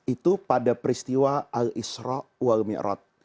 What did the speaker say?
itu pada peristiwa al isra wal mi'rat